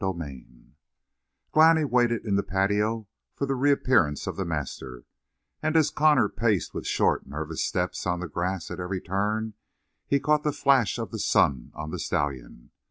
CHAPTER EIGHTEEN Glani waited in the patio for the reappearance of the master, and as Connor paced with short, nervous steps on the grass at every turn he caught the flash of the sun on the stallion.